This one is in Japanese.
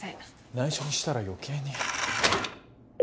内緒にしたら余計に。